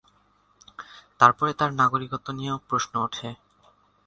তারপরে তার নাগরিকত্ব নিয়ে প্রশ্ন উঠে।